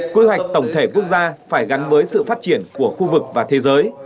quy hoạch tổng thể quốc gia phải gắn với sự phát triển của khu vực và thế giới